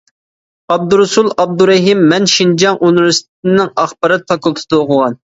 ئابدۇرۇسۇل ئابدۇرېھىم: مەن شىنجاڭ ئۇنىۋېرسىتېتىنىڭ ئاخبارات فاكۇلتېتىدا ئوقۇغان.